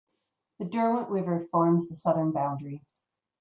The Derwent River forms the southern boundary.